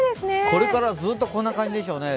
これからずっとこんな感じでしょうね。